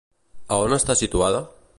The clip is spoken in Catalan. A on està situada?